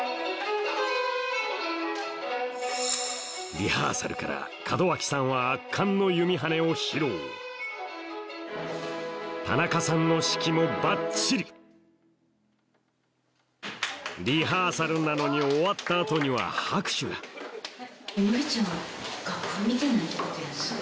リハーサルから門脇さんは圧巻の弓跳ねを披露田中さんの指揮もバッチリリハーサルなのに終わった後には拍手がそうです。